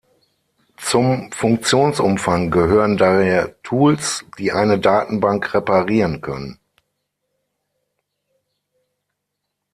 Zum Funktionsumfang gehören daher Tools, die eine Datenbank reparieren können.